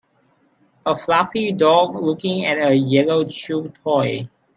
A fluffy dog looking at a yellow chew toy.